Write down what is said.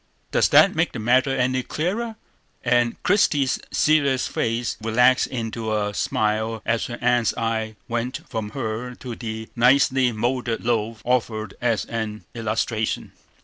Does that make the matter any clearer?" And Christie's serious face relaxed into a smile as her aunt's eye went from her to the nicely moulded loaf offered as an illustration.